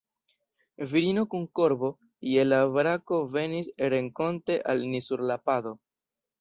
Virino kun korbo je la brako venis renkonte al ni sur la pado.